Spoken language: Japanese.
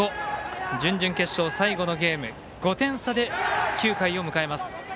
準々決勝、最後のゲーム５点差で９回を迎えます。